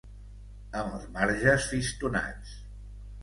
Amb els marges fistonats.